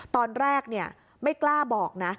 ตอนแรกไม่กล้าบอกนะ